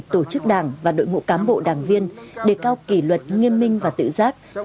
tổ chức đảng và đội ngũ cán bộ đảng viên đề cao kỷ luật nghiêm minh và tự giác